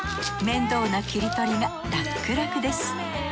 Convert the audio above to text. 面倒な切り取りがらっくらくです。